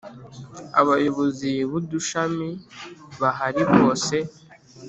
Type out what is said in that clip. Abayobozi b ‘Udushami bahari bose.